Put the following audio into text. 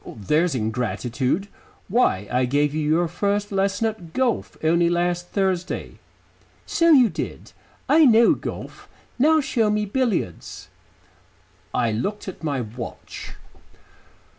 "There's ingratitude. Why, I gave you your first lesson at golf only last Thursday." "So you did. I know golf. Now show me billiards." I looked at my watch.